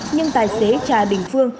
nhưng tài xế trà đỉnh phương